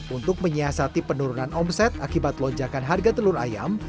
untuk menyiasati penurunan omset akibat lonjakan harga telur ayam